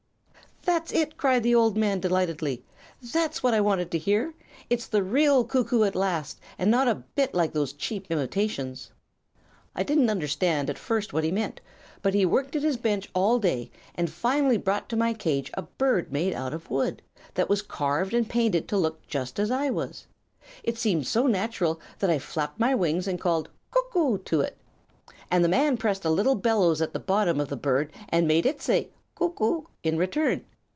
'" "'That's it!' cried the old man, delightedly. 'That's what I wanted to hear. It's the real cuckoo at last, and not a bit like those cheap imitations.' "I didn't understand at first what he meant, but he worked at his bench all day, and finally brought to my cage a bird made out of wood, that was carved and painted to look just as I was. It seemed so natural that I flapped my wings and called 'cuck oo' to it, and the man pressed a little bellows at the bottom of the bird and made it say 'cuck oo!' in return.